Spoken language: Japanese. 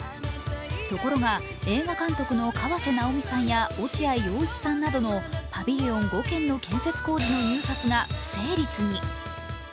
ところが映画監督の河瀬直美さんや落合陽一さんなどのパビリオン５件の建設工事の入札が不成立に。